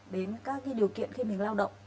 đến các điều kiện khi mình lao động